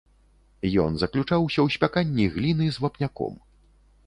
Ён заключаўся ў спяканні гліны з вапняком.